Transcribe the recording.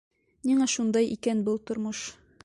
Ниңә шундай икән был тормош?